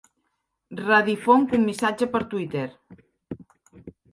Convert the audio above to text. Redifonc un missatge per Twitter.